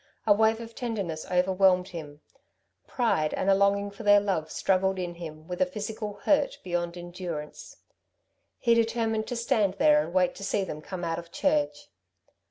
A wave of tenderness overwhelmed him. Pride and a longing for their love struggled in him with a physical hurt beyond endurance. He determined to stand there and wait to see them come out of church.